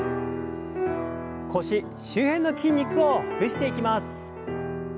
腰周辺の筋肉をほぐしていきます。